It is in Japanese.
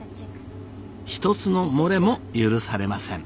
一つの漏れも許されません。